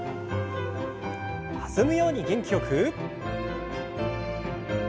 弾むように元気よく。